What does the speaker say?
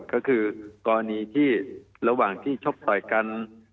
ก็คือกรณีที่ระหว่างที่ชกต่อยกัน